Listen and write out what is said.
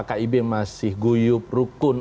kib masih guyup rukun